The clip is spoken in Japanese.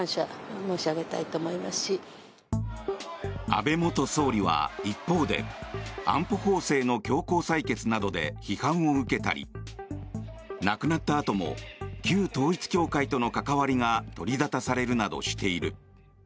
安倍元総理は一方で安保法制の強行採決などで批判を受けたり亡くなったあとも旧統一教会との関わりが取り沙汰されるなどしている。